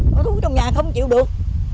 nó thúi trong nhà không chịu được